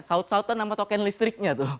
saut sautan sama token listriknya tuh